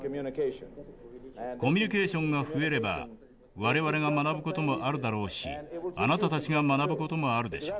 コミュニケーションが増えれば我々が学ぶ事もあるだろうしあなたたちが学ぶ事もあるでしょう。